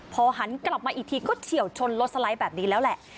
พอหันกลับมาอีกทีก็เฉียวชนรถสไลด์แบบนี้แล้วแหละ